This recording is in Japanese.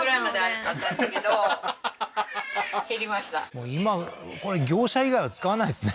もう今これ業者以外は使わないですね